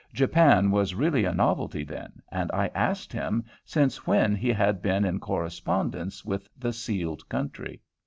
Japan was really a novelty then, and I asked him since when he had been in correspondence with the sealed country.